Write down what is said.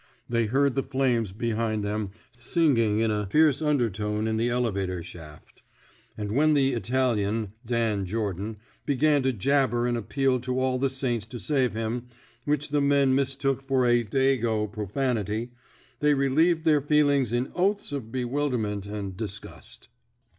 They heard the flames behind them singing in a fierce undertone in the elevator shaft. And when the Italian, Dan Jordan," began to jabber an appeal to all the saints to save him — which the men mis took for a Dago " profanity — they re lieved their feelings in oaths of bewilderment and disgust.